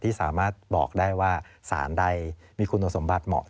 ที่สามารถบอกได้ว่าสารใดมีคุณสมบัติเหมาะ